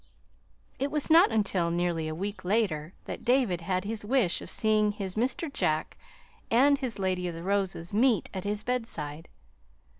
It was not until nearly a week later that David had his wish of seeing his Mr. Jack and his Lady of the Roses meet at his bedside.